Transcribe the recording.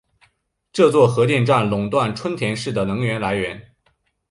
这座核电站垄断春田市的能源来源。